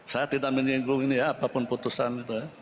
saya tidak menyinggung ini ya apapun putusan